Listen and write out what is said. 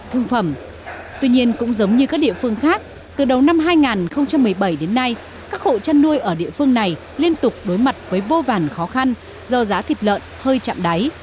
trong các địa phương khác từ đầu năm hai nghìn một mươi bảy đến nay các hộ chăn nuôi ở địa phương này liên tục đối mặt với vô vàn khó khăn do giá thịt lợn hơi chạm đáy